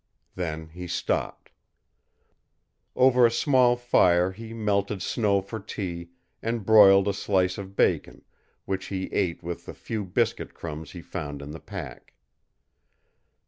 Then he stopped. Over a small fire he melted snow for tea and broiled a slice of the bacon, which he ate with the few biscuit crumbs he found in the pack.